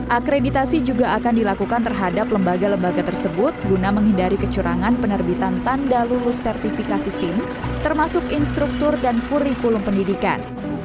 akreditasi juga akan dilakukan terhadap lembaga lembaga tersebut guna menghindari kecurangan penerbitan tanda lulus sertifikasi sim termasuk instruktur dan kurikulum pendidikan